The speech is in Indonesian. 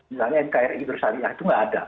misalnya nkri bersyariah itu nggak ada